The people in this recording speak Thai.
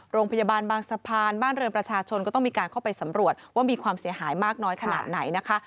โรงพยาบาลบางสะพานบ้านเรือนประชาชนก็ต้องมีการเข้าไปสำรวจว่ามีความเสียหายมากน้อยขนาดไหนนะคะ